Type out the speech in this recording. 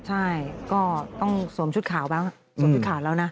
ใช่ก็ต้องสวมชุดขาวบ้างสวมชุดขาดแล้วนะ